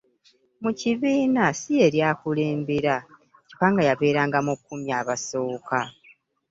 Mu kibiina si yeeyali akulembera kyokka nga yabeeranga mu kkumi abasooka.